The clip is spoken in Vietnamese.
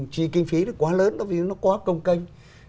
chỉ kinh phí quá lớn vì nó quá công kênh